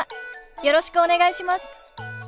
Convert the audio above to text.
よろしくお願いします。